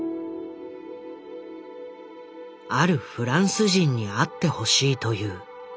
あるフランス人に会ってほしいという。